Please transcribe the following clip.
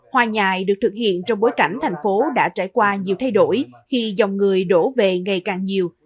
hoa nhài được thực hiện trong bối cảnh thành phố đã trải qua nhiều thay đổi khi dòng người đổ về ngày càng nhiều